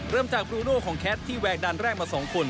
เริ่มจากบรูโดของแคทที่แวกดันแรกมา๒คน